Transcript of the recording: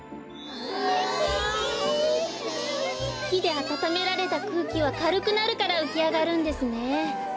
ひであたためられたくうきはかるくなるからうきあがるんですね。